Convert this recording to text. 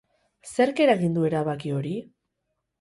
Zerk eragin du erabaki hori?